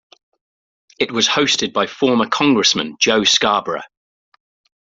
It was hosted by former congressman Joe Scarborough.